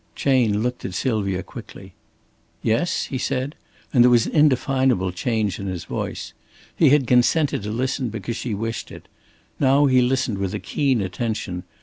Chayne looked at Sylvia quickly. "Yes?" he said, and there was an indefinable change in his voice. He had consented to listen, because she wished it. Now he listened with a keen attention.